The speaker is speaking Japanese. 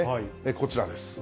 こちらです。